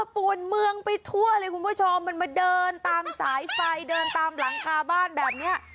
ปวดเมืองไปทั่วเลยคุณผู้ชมมันมาเดินตามสายไฟเดินตามหลังคาบ้านแบบนี้